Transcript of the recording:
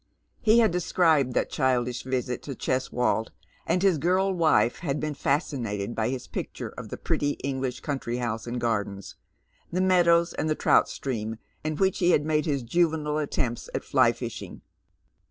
He had described that childish visit to Cheswold, and his girl wife had been fascinated by his picture of the pretty English country house and gardens, the meadows, and the trout etream in which he had made his juvenile attempts at fly fishing.